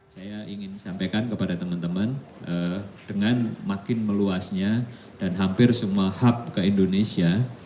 saya ingin sampaikan kepada teman teman dengan makin meluasnya dan hampir semua hub ke indonesia